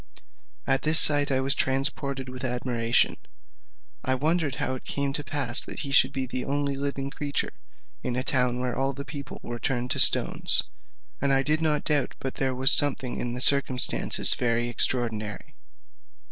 At this sight I was transported with admiration. I wondered how it came to pass that he should be the only living creature in a town where all the people were turned into stones, and I did not doubt but there was something in the circumstance very extraordinary.